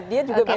dia juga bisa